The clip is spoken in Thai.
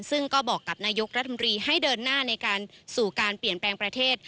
ซึ่งก็บอกกับนายกรัฐมนตรีให้เดินหน้าในการสู่การเปลี่ยนแปลงประเทศ